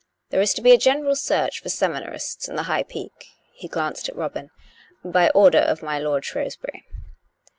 There is to be a gen eral search for seminarists in the High Peak "( he glanced at Robin), " by order of my lord Shrewsbury.